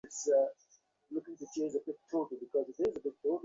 তবে অপছন্দের কথা সে সরাসরি বলতেও পারছে না।